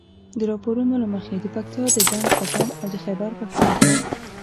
د راپورونو له مخې د پکتیا د ډنډ پټان او د خيبر پښتونخوا